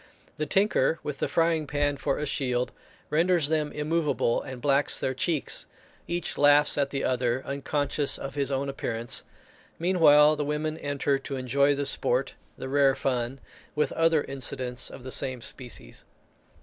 The tinker, with the frying pan for a shield, renders them immovable, and blacks their cheeks. Each laughs at the other, unconscious of his own appearance; meanwhile the women enter to enjoy the sport, "the rare fun," with other incidents of the same species.